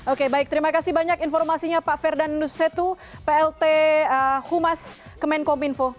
oke baik terima kasih banyak informasinya pak ferdandu setu plt humas kemenkominfo